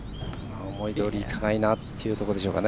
思いどおりいかないなというところでしょうか。